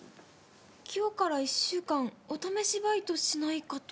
今日から１週間お試しバイトしないかと。